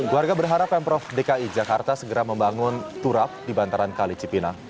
warga berharap pemprov dki jakarta segera membangun turap di bantaran kali cipinang